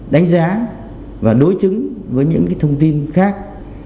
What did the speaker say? đánh giá và đối chứng với những thông tin khác